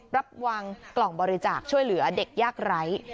รับวางกล่องบริจาคช่วยเหลือเด็กยากไร้